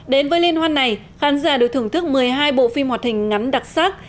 đến với liên hoan này khán giả được thưởng thức một mươi hai bộ phim hoạt hình ngắn đặc sắc